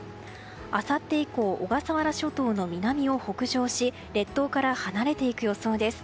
あさって以降小笠原諸島の南を北上し列島から離れていく予想です。